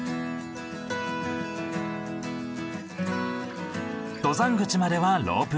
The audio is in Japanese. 登山口まではロープウエー。